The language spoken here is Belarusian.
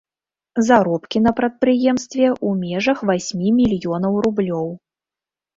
Заробкі на прадпрыемстве ў межах васьмі мільёнаў рублёў.